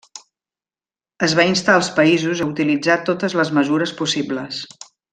Es va instar als països a utilitzar totes les mesures possibles.